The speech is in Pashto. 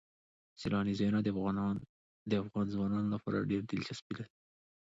سیلاني ځایونه د افغان ځوانانو لپاره ډېره دلچسپي لري.